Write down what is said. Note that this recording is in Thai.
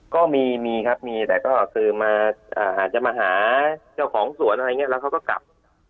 ก็มีมีครับมีแต่ก็คือมาอาจจะมาหาเจ้าของสวนอะไรอย่างนี้แล้วเขาก็กลับ